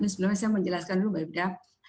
sebelumnya saya mau jelaskan dulu mbak fida